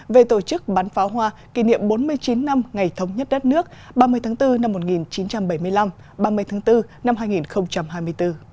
về tổ chức bắn pháo hoa kỷ niệm bốn mươi chín năm ngày thống nhất đất nước ba mươi tháng bốn năm một nghìn chín trăm bảy mươi năm ba mươi tháng bốn năm hai nghìn hai mươi bốn